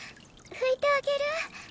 拭いてあげる。